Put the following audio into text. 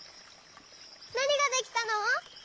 なにができたの？